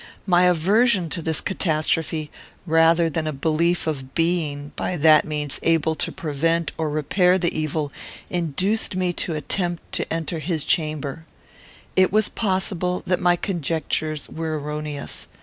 My aversion to this catastrophe, rather than a belief of being, by that means, able to prevent or repair the evil, induced me to attempt to enter his chamber. It was possible that my conjectures were erroneous.